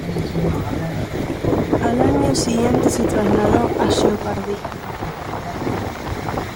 Al año siguiente, se trasladó a "Jeopardy!